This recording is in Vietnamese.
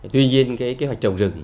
tuy nhiên kế hoạch trồng rừng